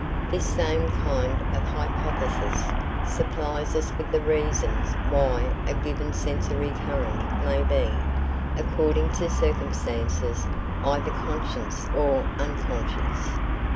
This same kind of hypothesis supplies us with the reasons why a given sensory current may be, according to circumstances, either conscious or unconscious.